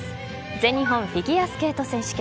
全日本フィギュアスケート選手権。